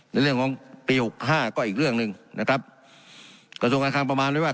ในเรื่องของปีหกห้าก็อีกเรื่องหนึ่งนะครับกระทรวงการคลังประมาณไว้ว่า